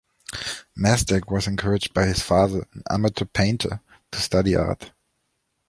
Mesdag was encouraged by his father, an amateur painter, to study art.